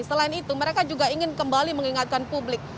selain itu mereka juga ingin kembali mengingatkan publik